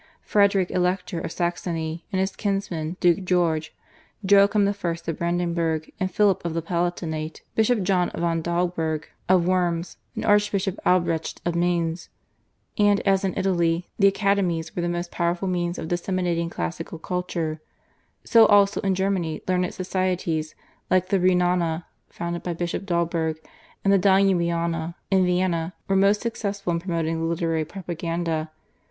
Frederick Elector of Saxony and his kinsman, Duke George, Joachim I. of Brandenburg, and Philip of the Palatinate, Bishop John von Dalberg of Worms, and Archbishop Albrecht of Mainz; and as in Italy the academies were the most powerful means of disseminating classical culture, so also in Germany learned societies like the /Rhenana/, founded by Bishop Dalberg, and the /Danubiana/ in Vienna, were most successful in promoting the literary propaganda.